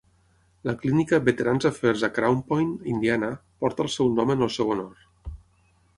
La clínica Veterans Affairs a Crown Point, Indiana, porta el seu nom en el seu honor.